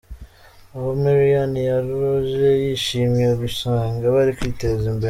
Abo Mary Ann yoroje yishimiye gusanga bari kwiteza imbere .